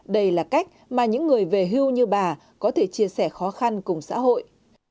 đây là cách mà những người về hưu như bà có thể chia sẻ khó khăn cùng xã hội